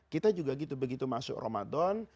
kita juga gitu begitu masuk ramadan